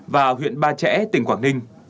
và huyện ba trẻ tỉnh quảng ninh